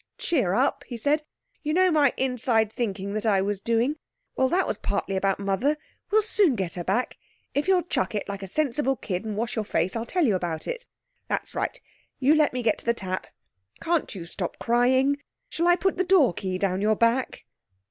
"Cheer up," he said. "You know my inside thinking that I was doing? Well, that was partly about Mother. We'll soon get her back. If you'll chuck it, like a sensible kid, and wash your face, I'll tell you about it. That's right. You let me get to the tap. Can't you stop crying? Shall I put the door key down your back?"